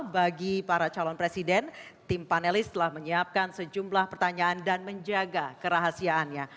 bagi para calon presiden tim panelis telah menyiapkan sejumlah pertanyaan dan menjaga kerahasiaannya